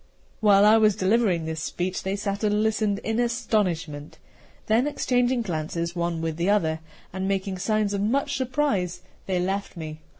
While I was delivering this speech, they sat and listened in astonishment. Then exchanging glances one with the other, and making signs of much surprise, they left me.